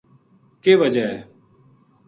کے وجہ ہے